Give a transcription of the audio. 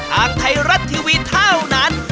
ทางไทยรัฐทีวีเท่านั้น